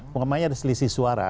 pokoknya ada selisih suara